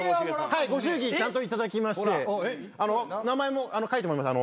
ご祝儀ちゃんと頂きまして名前も書いてもらいました。